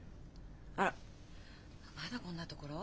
あらまだこんなところ？